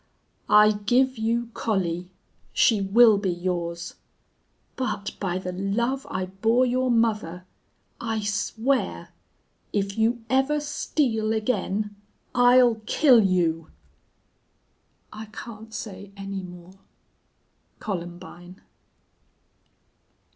'I give you Collie!... She will be yours!... But, by the love I bore your mother I swear if you ever steal again I'll kill you!' "I can't say any more "COLUMBINE."